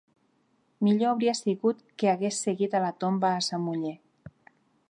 Millor hauria sigut que hagués seguit a la tomba a sa muller